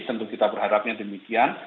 tentu kita berharapnya demikian